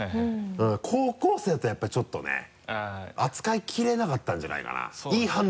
高校生だとやっぱりちょっとね扱いきれなかったんじゃないかなそうですね。